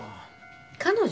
彼女？